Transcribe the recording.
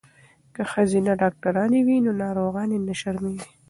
که ښځینه ډاکټرانې وي نو ناروغانې نه شرمیږي.